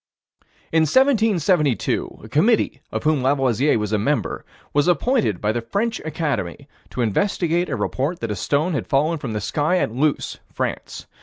In 1772, a committee, of whom Lavoisier was a member, was appointed by the French Academy, to investigate a report that a stone had fallen from the sky at Luce, France.